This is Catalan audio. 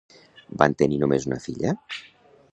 Van tenir només una filla?